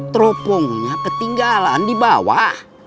tropongnya ketinggalan di bawah